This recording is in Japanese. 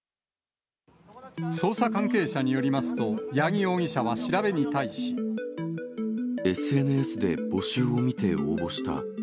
捜査関係者によりますと、ＳＮＳで募集を見て応募した。